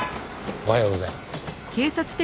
おはようございます。